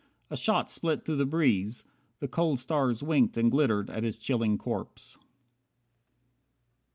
A shot split through the breeze. The cold stars winked and glittered at his chilling corpse.